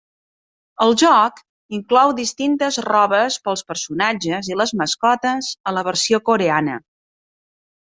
El joc inclou distintes robes per als personatges i les mascotes a la versió coreana.